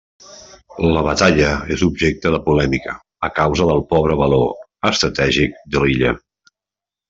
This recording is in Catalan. La batalla és objecte de polèmica a causa del pobre valor estratègic de l'illa.